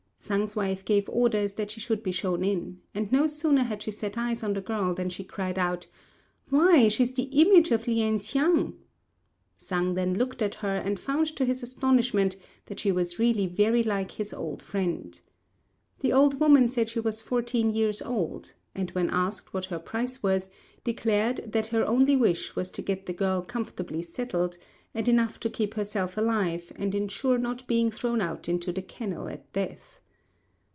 Sang's wife gave orders that she should be shown in; and no sooner had she set eyes on the girl than she cried out, "Why, she's the image of Lien hsiang!" Sang then looked at her, and found to his astonishment that she was really very like his old friend. The old woman said she was fourteen years old; and when asked what her price was, declared that her only wish was to get the girl comfortably settled, and enough to keep herself alive, and ensure not being thrown out into the kennel at death.